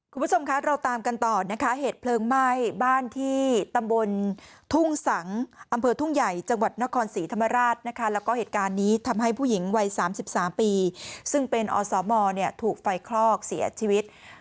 คุณผู้ชมคะเราตามกันต่อนะคะเหตุเพลิงไหม้บ้านที่ตำบลทุ่งสังอำเภอทุ่งใหญ่จังหวัดนครศรีธรรมราชนะคะแล้วก็เหตุการณ์นี้ทำให้ผู้หญิงวัย๓๓ปีซึ่งเป็นอสมถูกไฟคลอกเสียชีวิต